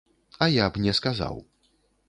А я б не сказаў.